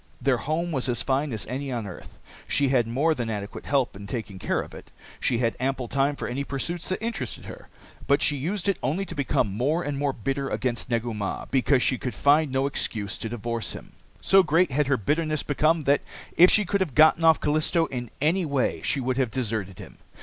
Their home was as fine as any on earth. She had more than adequate help in taking care of it. She had ample time for any pursuits that interested her. But she used it only to become more and more bitter against Negu Mah because she could find no excuse to divorce him. So great had her bitterness become that, if she could have gotten off Callisto in any way, she would have deserted him.